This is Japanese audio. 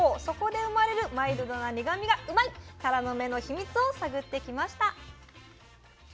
そこで生まれるマイルドな苦みがうまいタラの芽の秘密を探ってきました。